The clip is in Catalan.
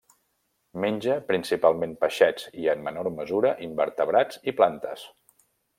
Menja principalment peixets i, en menor mesura, invertebrats i plantes.